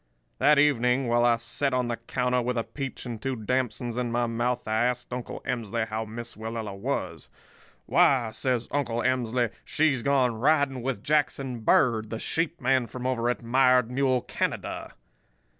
"That evening, while I set on the counter with a peach and two damsons in my mouth, I asked Uncle Emsley how Miss Willella was. "'Why,' says Uncle Emsley, 'she's gone riding with Jackson Bird, the sheep man from over at Mired Mule Canada.